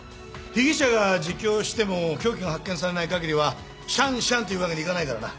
被疑者が自供しても凶器が発見されない限りはシャンシャンというわけにはいかないからな。